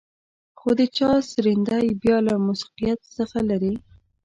خو د چا سرېنده بيا له موسيقيت څخه لېرې.